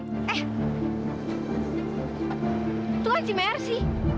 itu kan si mercy